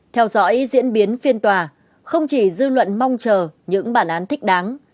theo dõi diễn biến phiên tòa không chỉ dư luận mong chờ những bản án thích đáng